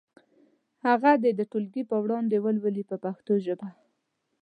هغه دې د ټولګي په وړاندې ولولي په پښتو ژبه.